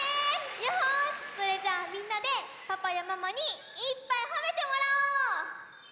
よしそれじゃあみんなでパパやママにいっぱいほめてもらおう！